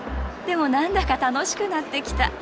でも何だか楽しくなってきた。